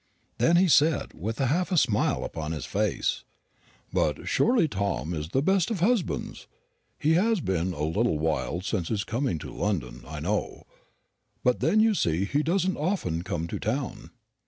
Then he said, with a half smile upon his face, "But surely Tom is the best of husbands! He has been a little wild since his coming to London, I know; but then you see he doesn't often come to town."